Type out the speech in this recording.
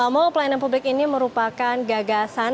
mall pelayanan publik ini merupakan gagasan